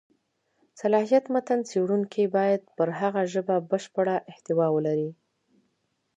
صلاحیت: متن څېړونکی باید پر هغه ژبه بشېړه احتوا ولري.